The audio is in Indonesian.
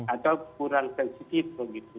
atau kurang sensitif begitu